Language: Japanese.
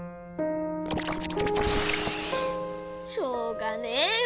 しょうがねえよ。